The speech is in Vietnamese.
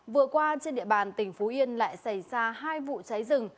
vừa qua trên địa bàn tỉnh phú yên lại xảy ra hai vụ cháy rừng